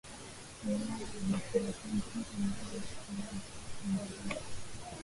eeh ilikuwa pegged ama ilikuwa inakwenda sambamba na sa